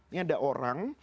ini ada orang